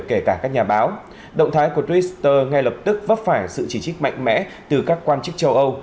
kể cả các nhà báo động thái của twitter ngay lập tức vấp phải sự chỉ trích mạnh mẽ từ các quan chức châu âu